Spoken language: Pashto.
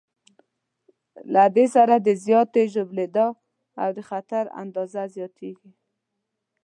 له دې سره د زیاتې ژوبلېدا او د خطر اندازه زیاتېږي.